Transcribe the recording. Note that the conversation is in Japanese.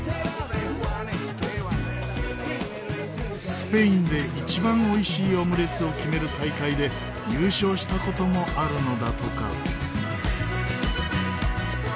スペインで一番おいしいオムレツを決める大会で優勝した事もあるのだとか。